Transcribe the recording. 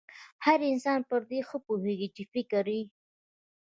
هر انسان پر دې ښه پوهېږي چې فکري